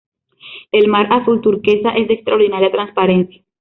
El mar, azul turquesa es de extraordinaria transparencia.